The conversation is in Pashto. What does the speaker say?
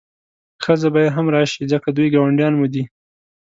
ښځه به یې هم راشي ځکه دوی ګاونډیان مو دي.